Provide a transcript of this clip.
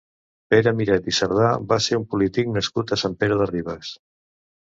Pere Miret i Cerdà va ser un polític nascut a Sant Pere de Ribes.